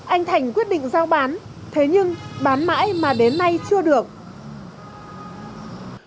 anh thành quyết định giao bán thế nhưng bán mãi mà đến nay chưa được